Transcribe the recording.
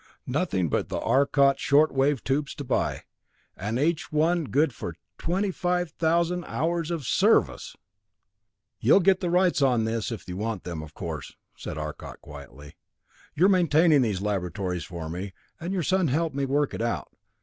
Nothing but the Arcot short wave tubes to buy and each one good for twenty five thousand hours service!" "You'll get the rights on this if you want them, of course," said Arcot quietly. "You're maintaining these laboratories for me, and your son helped me work it out.